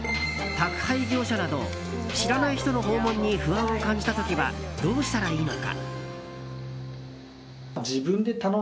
宅配業者など知らない人の訪問に不安を感じた時はどうしたらいいのか。